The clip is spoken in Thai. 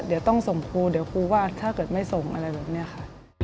เดี๋ยวต้องส่งครูเดี๋ยวครูวาดถ้าเกิดไม่ส่งอะไรแบบนี้ค่ะ